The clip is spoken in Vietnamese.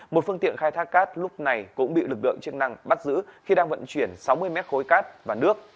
một phương tiện khai thác cát lúc này cũng bị lực lượng chức năng bắt giữ khi đang vận chuyển sáu mươi mét khối cát và nước